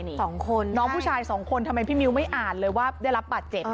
สองคนน้องผู้ชายสองคนทำไมพี่มิ้วไม่อ่านเลยว่าได้รับบาดเจ็บ